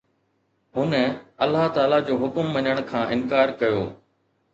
هن الله تعاليٰ جو حڪم مڃڻ کان انڪار ڪيو